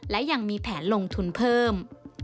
และยังมีแผนลงทุนเพิ่ม